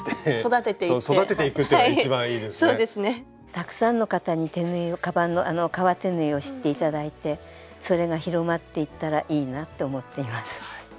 たくさんの方に手縫いをカバンの革手縫いを知って頂いてそれが広まっていったらいいなって思っています。